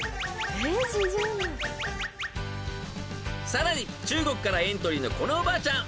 ［さらに中国からエントリーのこのおばあちゃん］